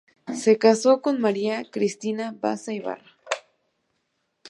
Se casó con María Cristina Basa Ybarra.